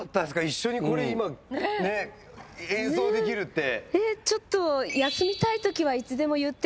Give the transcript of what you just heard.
一緒にこれ今演奏できるって。